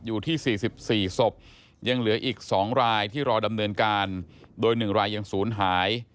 อยู่ที่๔๔ศพยังเหลืออีก๒รายที่รอดำเนินการโดย๑รายยังศูนย์หาย